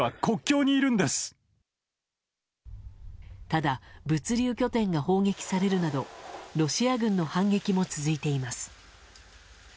ただ、物流拠点が砲撃されるなどロシア軍の反撃も続いています。